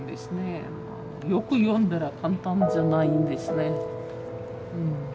よく読んだら簡単じゃないんですね。